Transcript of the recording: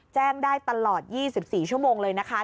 แจ้งได้ตลอด๒๔ชั่วโมงเลยนะคะ